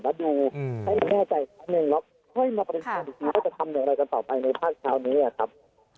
แล้วดูให้แน่ใจครั้งนึงแล้วค่อยมาปฏิเสธถึงว่าจะทำอะไรกันต่อไปในภาคเช้านี้ครับ